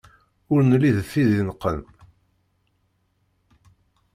Ur nelli d tid ineqqen.